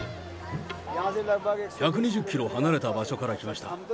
１２０キロ離れた場所から来ました。